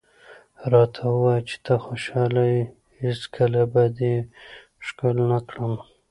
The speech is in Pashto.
راته ووایه چې ته خوشحاله یې، هېڅکله به دې ښکل نه کړم.